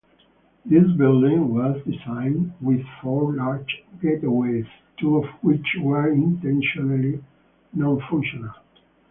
This building was designed with four large gateways, two of which were intentionally nonfunctional.